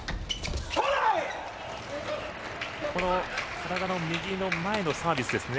体の右の前のサービスですね。